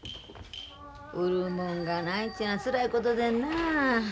売るもんがないちゅうのはつらいことでんなあ。